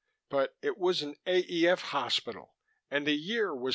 But it was an AEF hospital and the year was 1918."